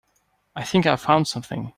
I think I found something.